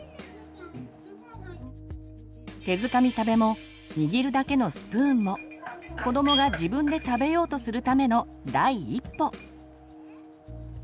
手づかみ食べも握るだけのスプーンも子どもが自分で食べようとするための第一歩。